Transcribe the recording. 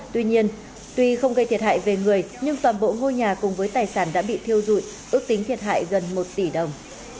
tuy nhiên tuy không gây thiệt hại về người nhưng toàn bộ ngôi nhà cùng với tài sản đã bị thiêu dụi ước tính thiệt hại gần một tỷ đồng